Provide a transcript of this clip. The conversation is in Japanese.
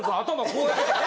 こうやってた。